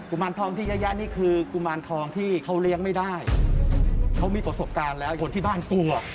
มารทองที่เยอะแยะนี่คือกุมารทองที่เขาเลี้ยงไม่ได้เขามีประสบการณ์แล้วคนที่บ้านกูอ่ะ